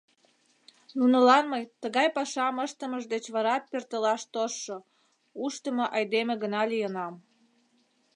Нунылан мый «тыгай пашам ыштымыж деч варат пӧртылаш тоштшо» ушдымо айдеме гына лийынам.